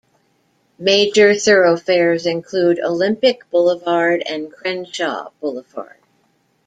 Major thoroughfares include Olympic Boulevard and Crenshaw Boulevard.